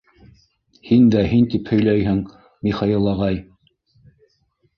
— Һин дә һин тип һөйләйһең, Михаил ағай.